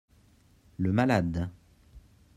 Le malade.